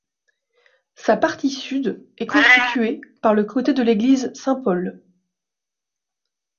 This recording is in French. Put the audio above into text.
Sa partie sud est constituée par le côté de l'église Saint-Paul.